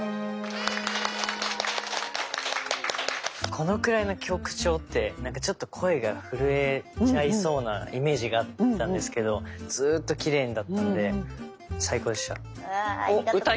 このくらいの曲調ってちょっと声が震えちゃいそうなイメージがあったんですけどずっときれいだったんで最高でした。